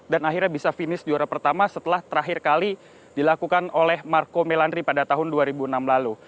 dan akhirnya bisa finish juara pertama setelah terakhir kali dilakukan oleh marco melandri pada tahun dua ribu enam lalu